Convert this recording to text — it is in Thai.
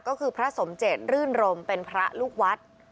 ก็คือพระสมเจตรื่นรมเป็นพระลูกวัด